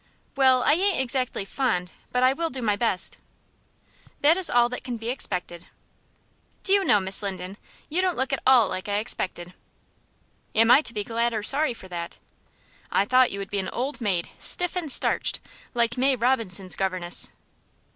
"Well, I ain't exactly fond, but I will do my best." "That is all that can be expected." "Do you know, Miss Linden, you don't look at all like I expected." "Am I to be glad or sorry for that?" "I thought you would be an old maid, stiff and starched, like May Robinson's governess."